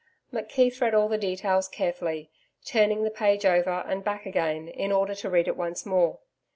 McKeith read all the details carefully, turning the page over and back again in order to read it once more.